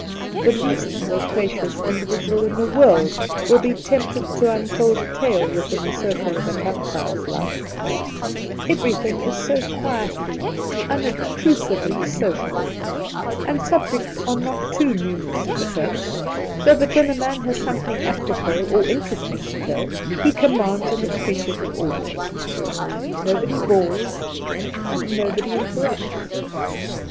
The least loquacious individual in the world will be tempted to unfold a tale within the circle of a camp fire's light. . 1—2 The Outspan Everything is so quietly, unobtrusively sociable, and subjects are not too numerous in the veld, so that when a man has something apropos or intereStiJig to tell, he commands an appreciative audience. Nobody bores, and nobody interrupts.